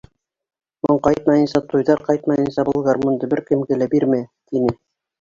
Моң ҡайтмайынса, туйҙар ҡайтмайынса был гармунды бер кемгә лә бирмә, тине...